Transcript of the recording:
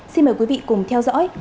xin mời quý vị cùng theo dõi